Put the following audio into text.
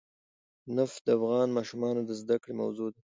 نفت د افغان ماشومانو د زده کړې موضوع ده.